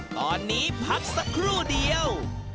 ตอนนี้พักสักครู่เดียว